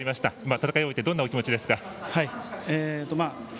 戦いを終えてどんなお気持ちですか。